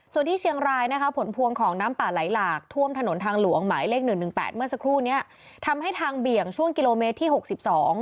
ส่วนที่เชียงรายนะคะผลพวงของน้ำป่าไหลหลากท่วมถนนทางหลวงหมายเลขหนึ่งหนึ่งแปดเมื่อสักครู่เนี้ยทำให้ทางเบี่ยงช่วงกิโลเมตรที่หกสิบสอง